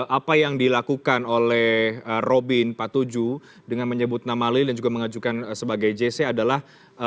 apa yang dilakukan oleh robin patuju dengan menyebut nama lilin juga mengajukan sebagai jc adalah